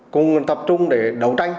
cùng tập trung để đấu tranh